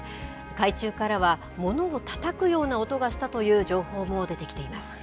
海中からは、物をたたくような音がしたという情報も出てきています。